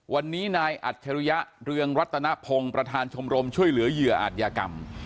วันนี้นายอัจฉริยะเรืองรัตนพงศ์ประธานชมรมช่วยเหลือเหยื่ออาจยากรรม